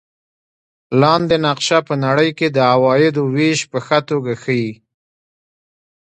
لاندې نقشه په نړۍ کې د عوایدو وېش په ښه توګه ښيي.